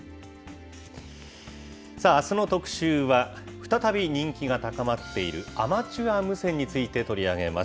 さあ、あすの特集は、再び人気が高まっているアマチュア無線について取り上げます。